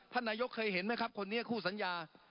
ท่านนายกเคยเห็นมั้ยครับคนนี้คู่สัญญา